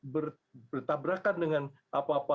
bertabrakan dengan apa apa